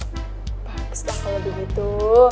bagus lah kalo begitu